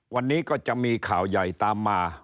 วันนี้ก็จะมีข่าวใหญ่ตามมา